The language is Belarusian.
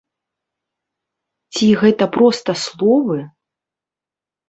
Ці гэта проста словы?